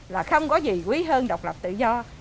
là không có gì quý hơn độc lập tự do